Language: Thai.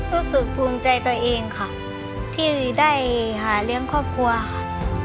รู้สึกภูมิใจตัวเองค่ะที่ได้หาเลี้ยงครอบครัวค่ะ